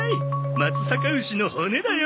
松阪牛の骨だよ！